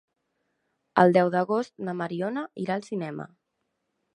El deu d'agost na Mariona irà al cinema.